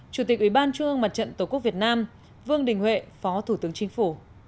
chủ tịch ủy ban trung ương mặt trận tổ quốc việt nam vương đình huệ phó thủ tướng chính phủ